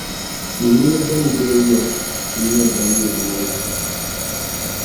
yi mini ban doli ya n-nyɛ ban yɛn nyaŋli.